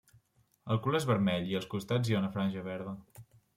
El color és vermell, i als costats hi ha una franja verda.